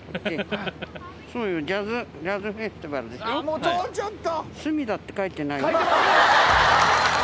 もうちょっと！